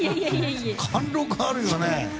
貫禄あるよね。